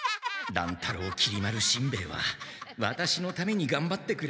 乱太郎きり丸しんべヱはワタシのためにがんばってくれたんだ。